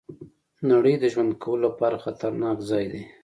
نړۍ د ژوند کولو لپاره خطرناک ځای دی.